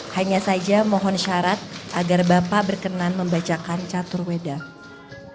hanya saja mohon syarat agar bapak berkenan membacakan catatanmu